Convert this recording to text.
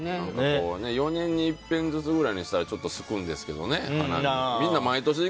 ４年にいっぺんずつくらいにしたら空くんですけどね。